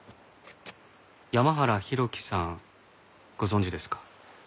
山原浩喜さんご存じですか？